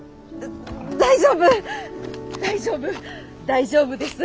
大丈夫大丈夫大丈夫です。